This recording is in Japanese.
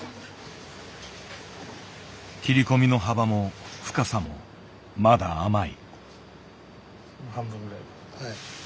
切り込みの幅も深さもまだ甘い。